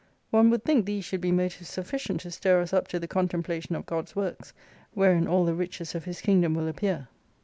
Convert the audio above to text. One would think these should be motives sufficient to stir us up to the contemplation of God's works, wherein all the riches of His Kingdom will appear.